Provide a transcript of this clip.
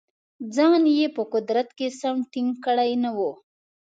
ځان یې په قدرت کې سم ټینګ کړی نه وو.